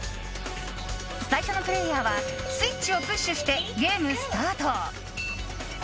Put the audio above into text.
最初のプレーヤーはスイッチをプッシュしてゲームスタート。